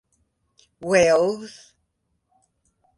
Wells.